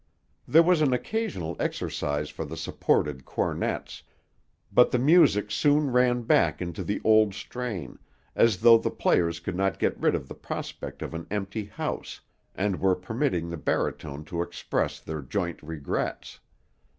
There was an occasional exercise for the supposed cornets, but the music soon ran back into the old strain, as though the players could not get rid of the prospect of an empty house, and were permitting the baritone to express their joint regrets.